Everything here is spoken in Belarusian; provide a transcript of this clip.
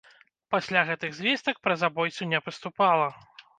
Пасля гэтых звестак пра забойцу не паступала.